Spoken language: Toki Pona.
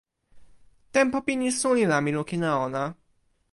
tenpo pini suli la mi lukin e ona.